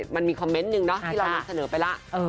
มันมีคอมเมนต์หนึ่งเนาะที่เรานำเสนอไปแล้ว